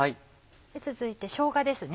続いてしょうがですね。